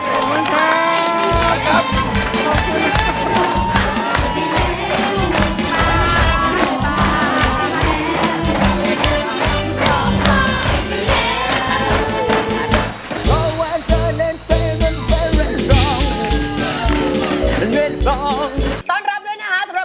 ต้อนรับด้วยนะคะสำหรับคุณหนุนาค่ะ